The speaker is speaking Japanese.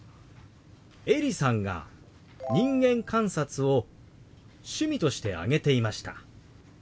エリさんが「人間観察」を趣味として挙げていました。